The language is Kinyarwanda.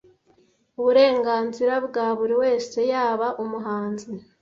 Uburenganzira bwa buri wese yaba umuhanzi,